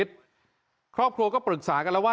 ส่งมาขอความช่วยเหลือจากเพื่อนครับ